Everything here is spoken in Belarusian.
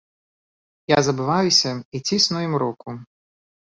Я забываюся і цісну ім руку.